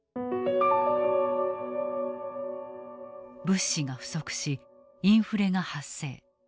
物資が不足しインフレが発生。